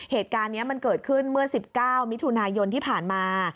เหตุการณ์นี้มันเกิดขึ้นเมื่อ๑๙มิถุนายนที่ผ่านมา